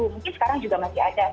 mungkin sekarang juga masih ada